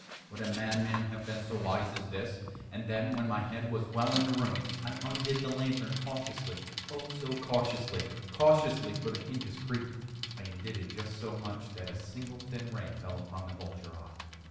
would a madman have been so wise as this, And then, when my head was well in the room, I undid the lantern cautiously oh, so cautiously cautiously (for the hinges creaked) I undid it just so much that a single thin ray fell upon the vulture eye.